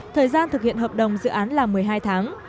thời gian thực hiện hợp đồng dự án là một mươi hai tháng